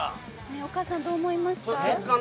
お母さん、どう思いますか？